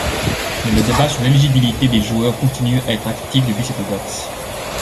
Mais le débat sur l'éligibilité des joueurs continue à être actif depuis cette date.